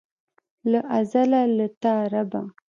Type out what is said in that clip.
له ازله له تا ربه.